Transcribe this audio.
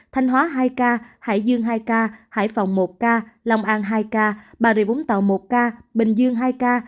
thanh hóa hai ca hải dương hai ca hải phòng một ca long an hai ca bà rịa vũng tàu một ca bình dương hai ca